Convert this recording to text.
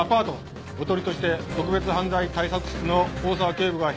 おとりとして特別犯罪対策室の大澤警部が部屋の中で待機する。